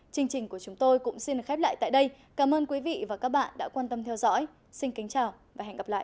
chương trình của chúng tôi cũng xin được khép lại tại đây cảm ơn quý vị và các bạn đã quan tâm theo dõi xin kính chào và hẹn gặp lại